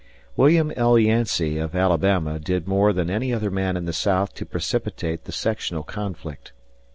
William L. Yancey, of Alabama, did more than any other man in the South to precipitate the sectional conflict.